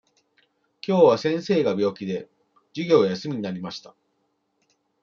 きょうは先生が病気で、授業が休みになりました。